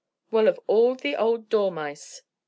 "Well, of all the old dormice!"